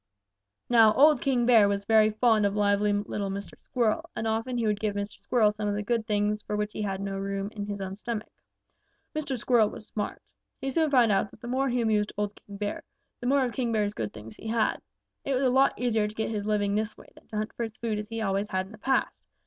"Now old King Bear was very fond of lively little Mr. Squirrel, and often he would give Mr. Squirrel some of the good things for which he had no room in his own stomach. Mr. Squirrel was smart. He soon found out that the more he amused old King Bear, the more of King Bear's good things he had. It was a lot easier to get his living this way than to hunt for his food as he always had in the past.